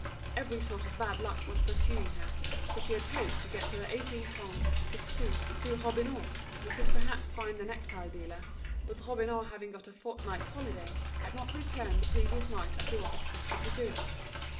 Every sort of bad luck was pursuing her, for she had hoped to get her eighteen francs six sous through Robineau, who could perhaps find the necktie dealer; but Robineau having got a fortnight's holiday, had not returned the previous night as he was expected to do.